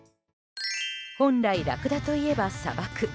本来、ラクダといえば砂漠。